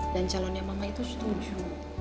dan calonnya mama itu setuju